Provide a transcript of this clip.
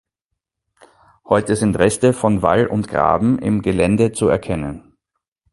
Heute sind Reste von Wall und Graben im Gelände zu erkennen.